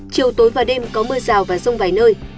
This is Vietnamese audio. chiều tối và đêm có mưa rào và rông vài nơi